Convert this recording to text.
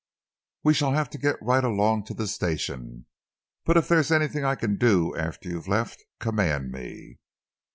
"We shall have to get right along to the station, but if there's anything I can do after you've left, command me."